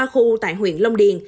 ba khu tại huyện long điền